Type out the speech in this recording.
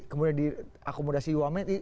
kemudian diakomodasi uangnya